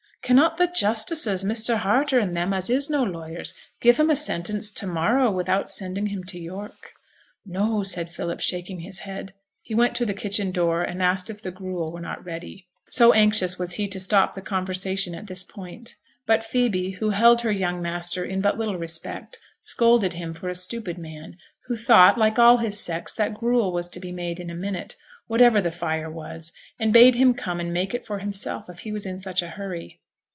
'Cannot the justices, Mr. Harter and them as is no lawyers, give him a sentence to morrow, wi'out sending him to York?' 'No!' said Philip, shaking his head. He went to the kitchen door and asked if the gruel was not ready, so anxious was he to stop the conversation at this point; but Phoebe, who held her young master in but little respect, scolded him for a stupid man, who thought, like all his sex, that gruel was to be made in a minute, whatever the fire was, and bade him come and make it for himself if he was in such a hurry.